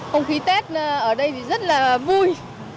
không khí tết ở đây thì rất là vui